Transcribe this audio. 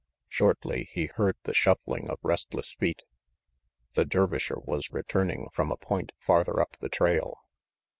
Shortly he heard the shuffling of restless feet. The Dervisher was returning from a point farther up the trail.